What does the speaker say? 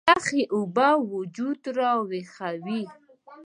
يخې اوبۀ وجود راوېخوي